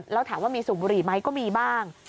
แล้วถามว่ามีสูบบุหรี่ไหมก็มีบ้าง